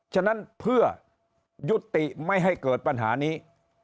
ฉะนั้นเพื่อยุติไม่ให้เกิดปัญหานี้